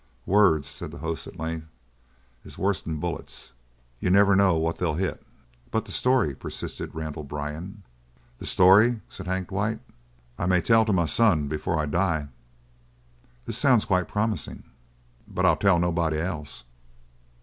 "Words," said the host, at length, "is worse'n bullets. You never know what they'll hit." "But the story?" persisted Randall Byrne. "That story," said Hank Dwight, "I may tell to my son before I die." "This sounds quite promising." "But I'll tell nobody else."